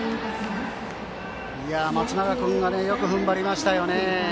松永君がよく踏ん張りましたよね。